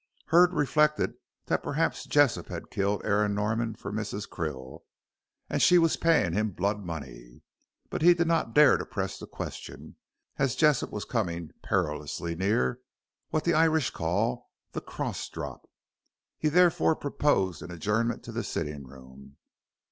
Hurd reflected that perhaps Jessop had killed Aaron Norman for Mrs. Krill, and she was paying him blood money. But he did not dare to press the question, as Jessop was coming perilously near what the Irish call "the cross drop." He therefore proposed an adjournment to the sitting room.